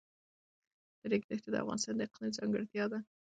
د ریګ دښتې د افغانستان د اقلیم ځانګړتیا ده.